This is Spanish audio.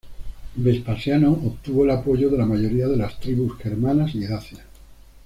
Vespasiano obtuvo el apoyo de la mayoría de de las tribus germanas y dacias.